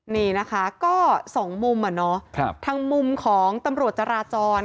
นี่นะคะก็สองมุมอ่ะเนาะทางมุมของตำรวจจราจร